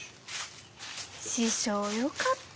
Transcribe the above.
師匠よかったな。